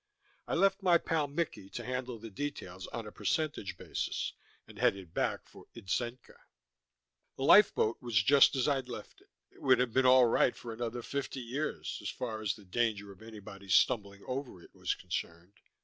I left my pal Mickey to handle the details on a percentage basis, and headed back for Itzenca. The lifeboat was just as I'd left it; it would have been all right for another fifty years, as far as the danger of anybody stumbling over it was concerned.